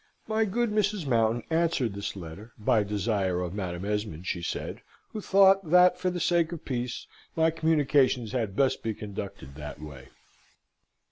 My good Mrs. Mountain answered this letter, by desire of Madam Esmond, she said, who thought that for the sake of peace my communications had best be conducted that way.